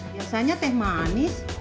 biasanya teh manis